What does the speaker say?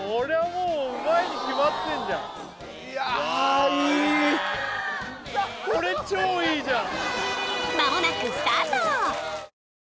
もうこれ超いいじゃん